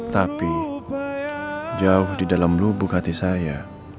tapi jauh di dalam lubuk hati saya